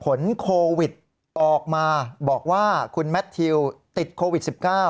ผลโควิดออกมาบอกว่าคุณแมททิวติดโควิด๑๙